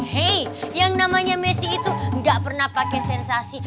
hei yang namanya messi itu nggak pernah pakai sensasi